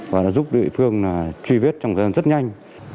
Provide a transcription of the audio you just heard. và đã giúp địa phương truy vết trong thời gian rất nhanh